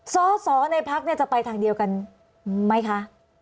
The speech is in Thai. สอสอในพักจะไปทางเดียวกันไหมคะ